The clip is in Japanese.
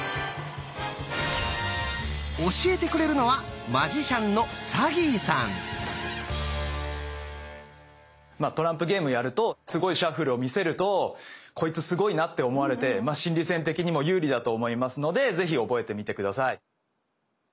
教えてくれるのはトランプゲームやるとすごいシャッフルを見せるとコイツすごいなって思われて心理戦的にも有利だと思いますので是非覚えてみて下さい。